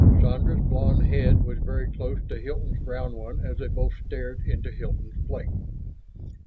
Sandra's blonde head was very close to Hilton's brown one as they both stared into Hilton's plate.